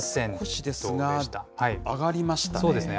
上がりましたね。